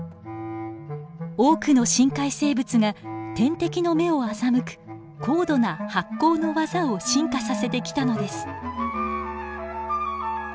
多くの深海生物が天敵の目を欺く高度な発光の技を進化させてきたのです。